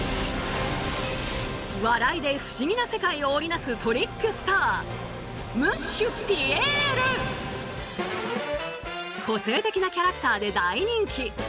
笑いで不思議な世界を織り成すトリックスター個性的なキャラクターで大人気。